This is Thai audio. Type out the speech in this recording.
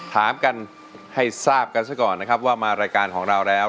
ถามกันให้ทราบกันซะก่อนนะครับว่ามารายการของเราแล้ว